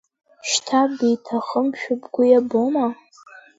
Шьҭа биҭахымшәа бгәы иабома?